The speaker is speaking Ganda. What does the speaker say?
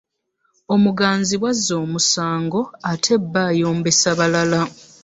Omuganzi bw'azza omusango ate bba ayombesa balala.